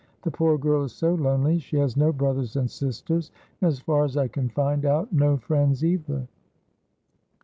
"The poor girl is so lonely, she has no brothers and sisters, and as far as I can find out no friends either."